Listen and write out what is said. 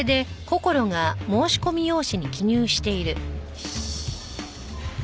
よし。